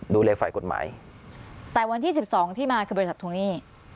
ดูแลฝ่ายกฎหมายแต่วันที่สิบสองที่มาคือบริษัททวงหนี้